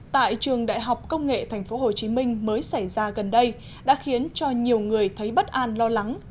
tại trường đại học công nghệ tp hcm mới xảy ra gần đây đã khiến cho nhiều người thấy bất an lo lắng